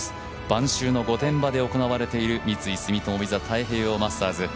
晩秋の御殿場で行われている三井住友ＶＩＳＡ太平洋マスターズ。